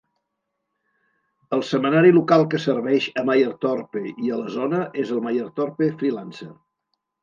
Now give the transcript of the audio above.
El setmanari local que serveix a Mayerthorpe i a la zona és el "Mayerthorpe Freelancer".